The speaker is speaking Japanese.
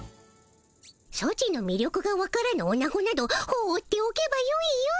ソチのみりょくがわからぬオナゴなどほうっておけばよいよい。